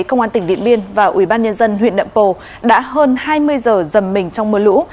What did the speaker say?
công an tỉnh điện biên và ubnd huyện nậm pồ đã hơn hai mươi giờ dầm mình trong mưa lũ